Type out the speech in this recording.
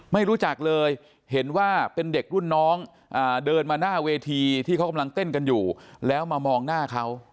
ไม่รู้จักเลยเห็นว่าเป็นเด็กรุ่นน้องเดินมาหน้าเวทีที่เขากำลังเต้นกันอยู่แล้วมามองหน้าเขา